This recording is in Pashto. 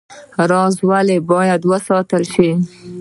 راز ولې باید وساتل شي؟